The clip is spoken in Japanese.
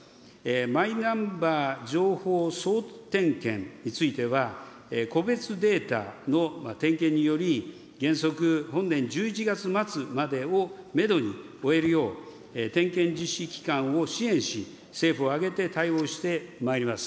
マイナンバー情報総点検については、個別データの点検により、原則、本年１１月末までをメドに終えるよう、点検実施機関を支援し、政府を挙げて対応してまいります。